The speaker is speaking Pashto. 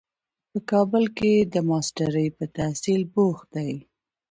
په کابل کې د ماسټرۍ په تحصیل بوخت دی.